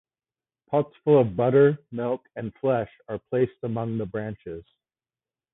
Pots full of butter, milk, and flesh are placed among the branches.